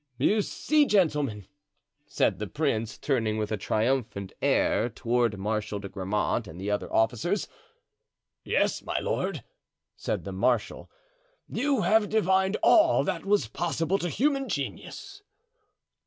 "You see; gentlemen!" said the prince, turning with a triumphant air toward Marshal de Grammont and the other officers. "Yes, my lord," said the marshal, "you have divined all that was possible to human genius."